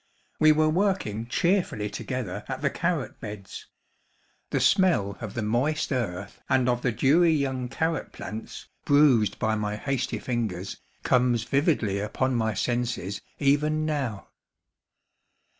We were working cheerfully together at the carrot beds. The smell of the moist earth and of the dewy young carrot plants, bruised by my hasty fingers, comes vividly upon my senses even now.